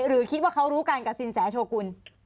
หรือคิดว่าเขารู้กันกับสินแสโชกุล